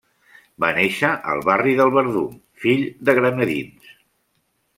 Va néixer al barri del Verdum, fill de granadins.